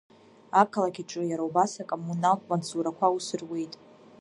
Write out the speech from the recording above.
Ақалақь аҿы иара убас акоммуналтә маҵзурақәа аус руеит.